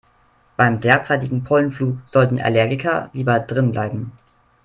Beim derzeitigen Pollenflug sollten Allergiker lieber drinnen bleiben.